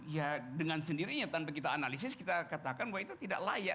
ya dengan sendirinya tanpa kita analisis kita katakan bahwa itu tidak layak